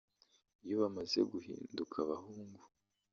Iyo bamaze guhinduka abahungu